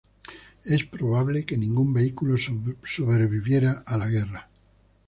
Es probable que ningún vehículo sobrevivió a la guerra.